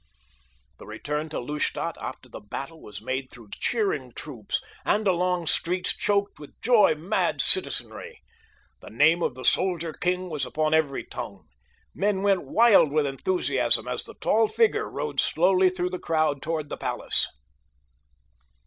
The return to Lustadt after the battle was made through cheering troops and along streets choked with joy mad citizenry. The name of the soldier king was upon every tongue. Men went wild with enthusiasm as the tall figure rode slowly through the crowd toward the palace.